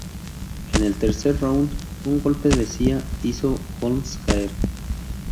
En el tercer round, un golpe de Cía hizo Holmes caer.